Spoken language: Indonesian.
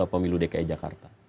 pemilu dki jakarta